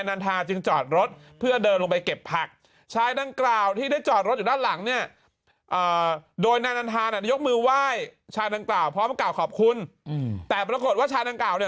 นันทาเนี่ยยกมือไหว้ชายนางกล่าวพร้อมกล่าวขอบคุณอืมแต่ปรากฏว่าชายนางกล่าวเนี่ย